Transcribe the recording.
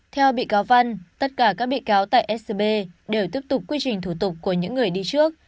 theo bị cáo văn tất cả các bị cáo tại scb đều tiếp tục quy trình thủ tục của những người đi trước